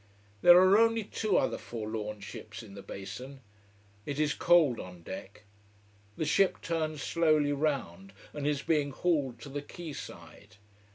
There are only two other forlorn ships in the basin. It is cold on deck. The ship turns slowly round, and is being hauled to the quay side.